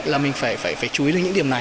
là mình phải chú ý được những điểm này